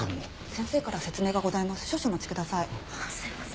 先生から説明がございます。